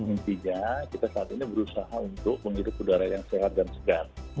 intinya kita saat ini berusaha untuk menghirup udara yang sehat dan segar